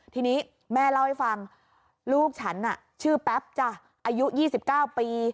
ทีนี้แม่เล่าให้ฟังลูกฉันน่ะชื่อแป๊บจ้ะอายุ๒๙ปี